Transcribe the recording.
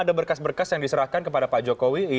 apa berkas yang diserahkan kepada pak jokowi